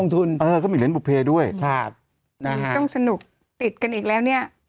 ต้องสนุกติดกันอีกแล้วเนี่ย